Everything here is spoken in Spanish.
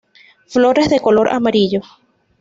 Flores de color amarillo.